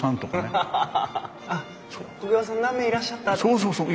そうそうそう。